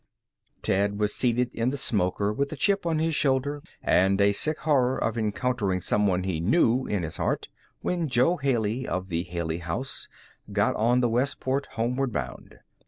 Ted was seated in the smoker, with a chip on his shoulder, and a sick horror of encountering some one he knew in his heart, when Jo Haley, of the Haley House, got on at Westport, homeward bound.